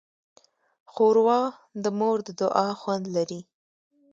ښوروا د مور د دعا خوند لري.